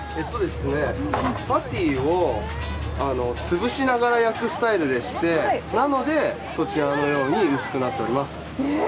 パティーをつぶしながら焼くスタイルでして、なので、そちらのように薄くなっております。